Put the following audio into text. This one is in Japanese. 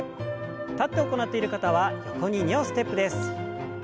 立って行っている方は横に２歩ステップです。